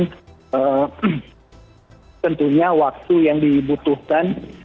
tentunya waktu yang dibutuhkan